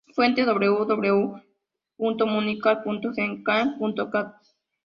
Fuente: www.municat.gencat.cat.